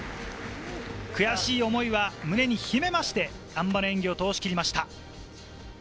悔しい思いは胸に秘めまして、あん馬の演技を通し切りました。